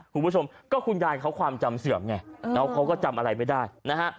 คุณผู้ชมก็คุณยายเขาความจำเสื่อมไงเขาก็จำอะไรไม่ได้นะฮะ